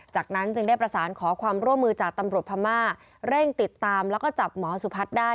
จากนั้นจึงได้ประสานขอความร่วมมือจากตำรวจพม่าเร่งติดตามแล้วก็จับหมอสุพัฒน์ได้